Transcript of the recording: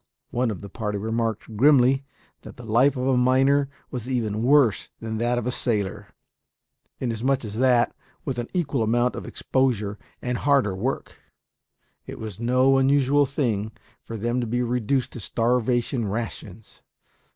One of the party remarked grimly that the life of a miner was even worse than that of a sailor; inasmuch as that, with an equal amount of exposure and harder work, it was no unusual thing for them to be reduced to starvation rations.